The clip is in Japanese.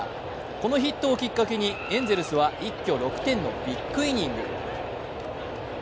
このヒットをきっかけに、エンゼルスは一挙６点のビッグイニング。